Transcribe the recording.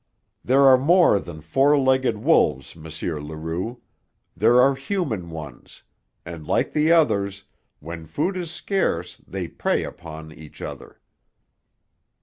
There are more than four legged wolves, M. Leroux; there are human ones, and, like the others, when food is scarce they prey upon each other."